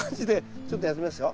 ちょっとやってみますよ。